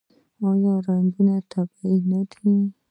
آیا رنګونه یې طبیعي نه دي؟